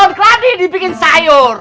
daun keladi dibikin sayur